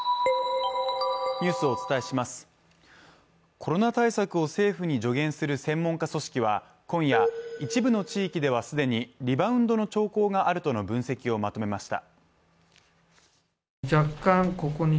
コロナ対策を政府に助言する専門家組織は今夜、一部の地域では既にリバウンドの兆候があるとの分析をまとめました。